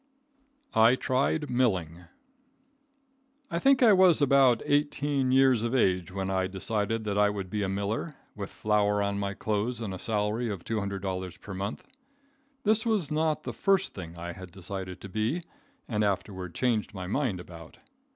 I Tried Milling. I think I was about 18 years of age when I decided that I would be a miller, with flour on my clothes and a salary of $200 per month. This was not the first thing I had decided to be, and afterward changed my mind about.